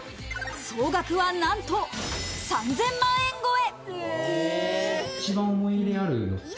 総額はなんと３０００万円超え。